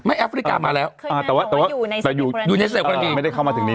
ไม่แอฟริกามาแล้วอ่าแต่ว่าแต่ว่าอยู่ในอยู่ในไม่ได้เข้ามาถึงนี้